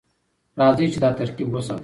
راځئ چې دا ترکیب وساتو.